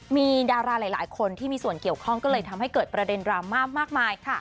มีดาราหลายคนที่มีส่วนเกี่ยวข้องก็เลยทำให้เกิดประเด็นดราม่ามากมายค่ะ